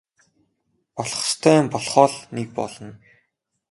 Болох ёстой юм болохоо л нэг болно.